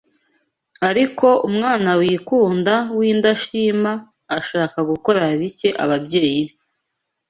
ariko umwana wikunda w’indashima, ashaka gukorera bike ababyeyi be